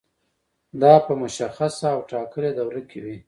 دا په مشخصه او ټاکلې دوره کې وي.